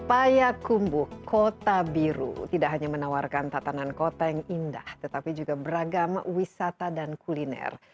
payakumbuh kota biru tidak hanya menawarkan tatanan kota yang indah tetapi juga beragam wisata dan kuliner